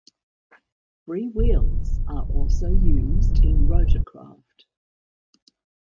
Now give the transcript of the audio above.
Freewheels are also used in rotorcraft.